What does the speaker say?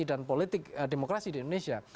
dan politik demokrasi di indonesia